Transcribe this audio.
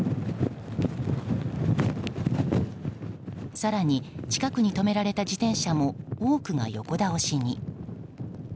更に近くに止められた自転車も多くが横倒しに。